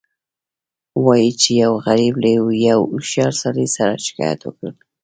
وایي چې یو غریب له یو هوښیار سړي سره شکایت وکړ.